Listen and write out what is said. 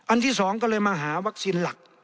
อันที่สองก็เลยมาหาวัคซีนหลัก